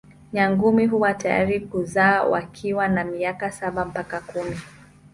Nyangumi huwa tayari kuzaa wakiwa na miaka saba mpaka kumi.